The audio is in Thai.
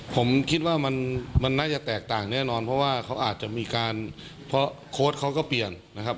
ผมคิดว่ามันน่าจะแตกต่างแน่นอนเพราะว่าเขาอาจจะมีการเพราะโค้ดเขาก็เปลี่ยนนะครับ